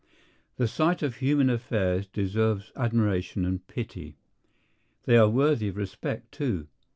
The sight of human affairs deserves admiration and pity. They are worthy of respect, too.